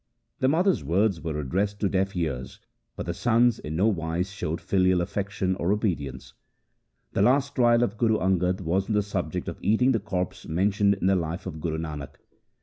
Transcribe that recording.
The mother's words were addressed to deaf ears for the sons in no wise showed filial affection or obedience. The last trial of Guru Angad was on the subject of eating the corpse mentioned in the Life of Guru Nanak.